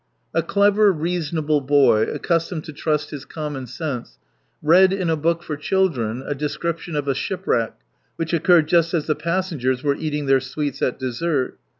— A clever, reasonable boy, accustomed to trust his common sense, read in a book for children a description of a shipwreck which occurred just as the pas sengers were eating their sweets at dessert.